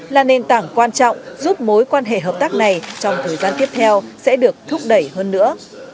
là nền tảng quan trọng giúp mối quan hệ hợp tác này trong thời gian tiếp theo sẽ được thúc đẩy hơn nữa